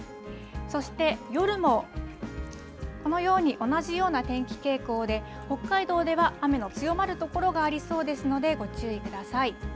そして夜も、このように同じような天気傾向で、北海道では雨の強まる所がありそうですので、ご注意ください。